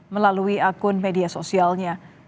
melalui akun media sosialnya